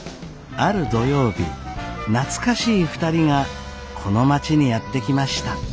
ある土曜日懐かしい２人がこの町にやって来ました。